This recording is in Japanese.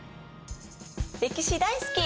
歴史大好き！